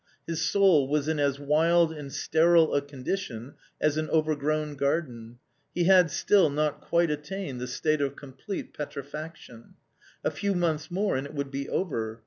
His soul was in as wild and sterile a condition as an overgrown garden. He had still not quite attained the state of complete petrifaction. A few months more, and it would be over!